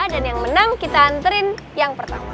dan yang menang kita anterin yang pertama